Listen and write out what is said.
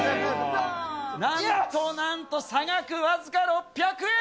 なんとなんと、差額僅か６００円。